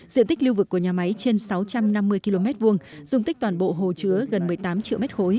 diện tích lưu vực của nhà máy trên sáu trăm năm mươi km hai dùng tích toàn bộ hồ chứa gần một mươi tám triệu m ba